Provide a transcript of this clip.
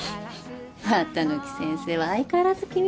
綿貫先生は相変わらず厳しいな。